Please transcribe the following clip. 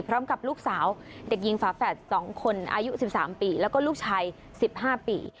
พร้อมกับลูกสาวเด็กหญิงฝาแฝด๒คนอายุ๑๓ปีแล้วก็ลูกชาย๑๕ปี